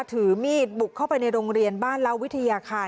ถือมีดบุกเข้าไปในโรงเรียนบ้านเล่าวิทยาคาร